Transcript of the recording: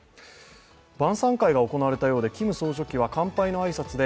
晩さん会が行われたようでキム総書記は乾杯の挨拶で